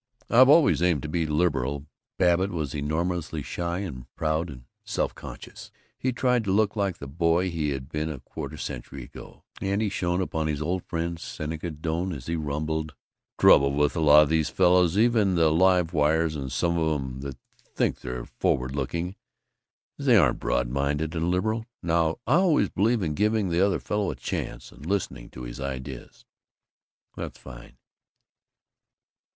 I've always aimed to be liberal." Babbitt was enormously shy and proud and self conscious; he tried to look like the boy he had been a quarter century ago, and he shone upon his old friend Seneca Doane as he rumbled, "Trouble with a lot of these fellows, even the live wires and some of 'em that think they're forward looking, is they aren't broad minded and liberal. Now, I always believe in giving the other fellow a chance, and listening to his ideas." "That's fine."